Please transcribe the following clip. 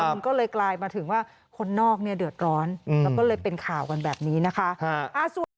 มันก็เลยกลายมาถึงว่าคนนอกเนี่ยเดือดร้อนแล้วก็เลยเป็นข่าวกันแบบนี้นะคะ